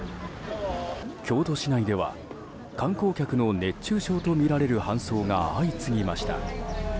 京都市内では観光客の熱中症とみられる搬送が相次ぎました。